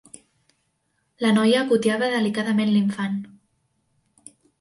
La noia acotiava delicadament l'infant.